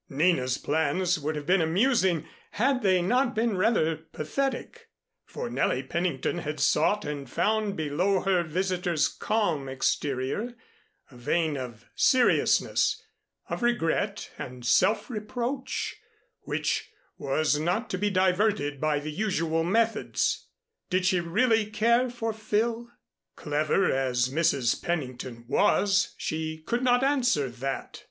Nina's plans would have been amusing had they not been rather pathetic, for Nellie Pennington had sought and found below her visitor's calm exterior, a vein of seriousness, of regret and self reproach, which was not to be diverted by the usual methods. Did she really care for Phil? Clever as Mrs. Pennington was, she could not answer that.